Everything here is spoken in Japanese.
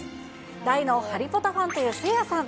大のハリポタファンというせいやさん。